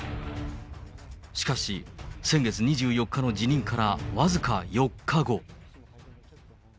しかし、先月２４日の辞任から僅か４日後。